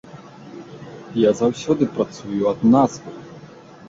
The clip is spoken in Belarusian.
Я заўсёды працую ад назвы.